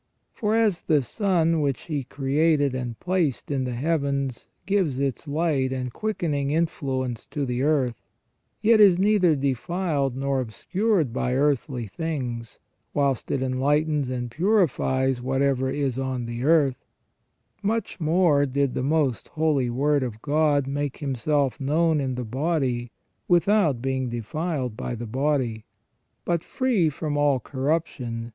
For as the sun which He created and placed in the heavens gives its light and quickening influence to the earth, yet is neither defiled nor obscured by earthly things, whilst it enlightens and purifies whatever is on the earth, much more did the most Holy Word of God make Himself known in the body without being defiled by the body ; but, free from all corruption.